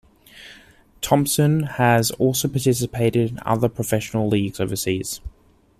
Thompson has also participated in other professional leagues overseas.